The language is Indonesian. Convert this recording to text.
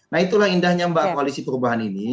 nah itulah indahnya mbak koalisi perubahan ini